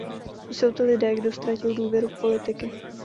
Jsou to lidé, kdo ztratil důvěru v politiky.